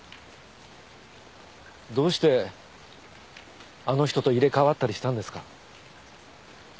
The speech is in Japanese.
どうしてあの人と入れ代わったりしたんですか？